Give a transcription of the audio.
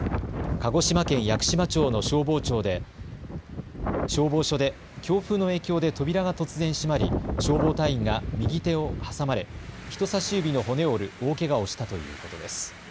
鹿児島県屋久島町の消防署で、強風の影響で扉が突然閉まり、消防隊員が右手を挟まれ、人さし指の骨を折る大けがをしたということです。